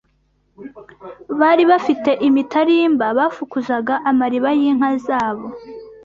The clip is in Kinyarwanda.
Bari bafite imitarimba bafukuzaga amariba y'inka zabo